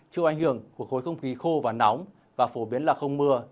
chịu ảnh hưởng của khối không khí khô và nóng và phổ biến là không mưa